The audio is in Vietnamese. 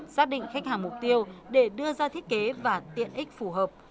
xác định khách hàng mục tiêu để đưa ra thiết kế và tiện ích phù hợp